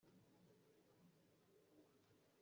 umwana wese yashoboraga kubikora